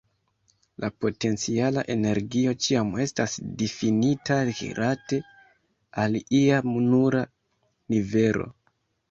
La potenciala energio ĉiam estas difinita rilate al ia nula nivelo.